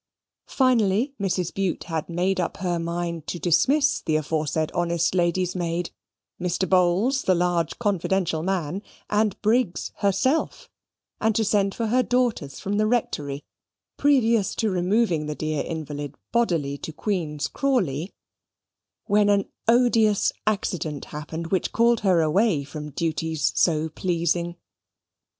Finally, Mrs. Bute had made up her mind to dismiss the aforesaid honest lady's maid, Mr. Bowls the large confidential man, and Briggs herself, and to send for her daughters from the Rectory, previous to removing the dear invalid bodily to Queen's Crawley, when an odious accident happened which called her away from duties so pleasing.